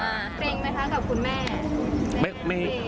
เกร็งไหมคะกับคุณแม่